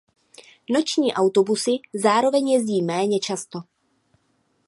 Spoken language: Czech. Noční autobusy zároveň jezdí méně často.